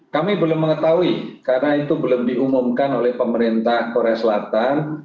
kami belum mengetahui karena itu belum diumumkan oleh pemerintah korea selatan